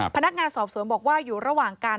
พนักงานสอบสวนบอกว่าอยู่ระหว่างการ